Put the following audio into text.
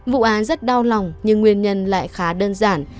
vụ án rất đau lòng nhưng nguyên nhân lại khá đơn giản